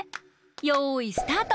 よいスタート！